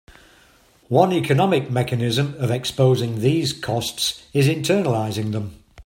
One economic mechanism of exposing these costs is internalizing them.